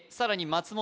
松本